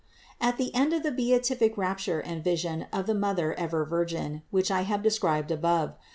At the end of the beatific rapture and vision of the Mother ever Virgin, which I have described above (No.